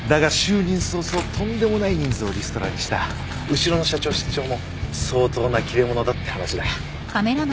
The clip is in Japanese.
後ろの社長室長も相当な切れ者だって話だ。